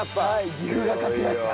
岐阜が勝ちました。